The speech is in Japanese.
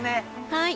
はい。